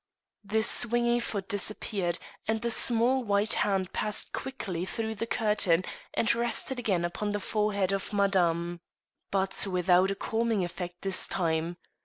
The swinging foot disappeared, and the small white hand passed quickly through the curtain and rested again upon the forehead of Madame. But without a calming effect this time.